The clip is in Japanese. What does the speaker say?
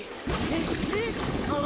えっ？えっ？